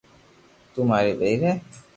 تو ماري ٻير ھي